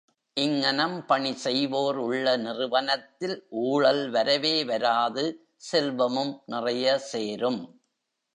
இங்ஙனம் பணி செய்வோர் உள்ள நிறுவனத்தில் ஊழல் வரவே வராது செல்வமும் நிறையசேரும்.